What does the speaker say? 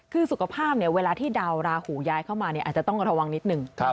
คือสุขภาพเวลาที่ดาวราหูย้ายเข้ามาอาจจะต้องระวังนิดนึง